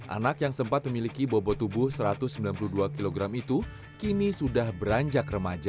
anak yang sempat memiliki bobot tubuh satu ratus sembilan puluh dua kg itu kini sudah beranjak remaja